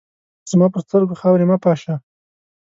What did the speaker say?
زما پر سترګو خاوري مه پاشه !